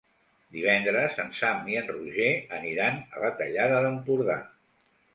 Divendres en Sam i en Roger aniran a la Tallada d'Empordà.